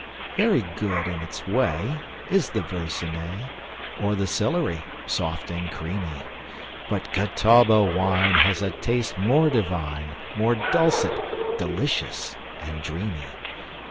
Very good in its way Is the Verzenay, Or the Sillery soft and creamy; But Catawba wine Has a taste more divine, More dulcet, delicious, and dreamy.